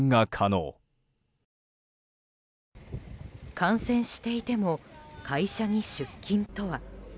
感染していても会社に出勤とは。